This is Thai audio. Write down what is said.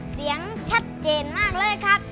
เสียงชัดเจนมากเลยครับ